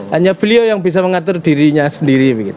hanya beliau yang bisa mengatur dirinya sendiri